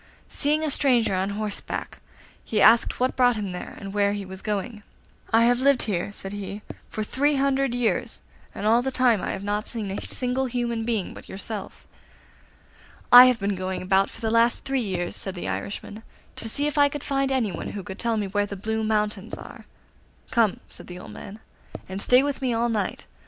Seeing a stranger on horseback, he asked what brought him there and where he was going. 'I have lived here,' said he, 'for three hundred years, and all that time I have not seen a single human being but yourself.' 'I have been going about for the last three years,' said the Irishman, 'to see if I could find anyone who can tell me where the Blue Mountains are.' 'Come in,' said the old man, 'and stay with me all night.